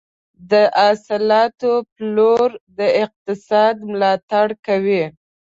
د حاصلاتو پلور د اقتصاد ملاتړ کوي.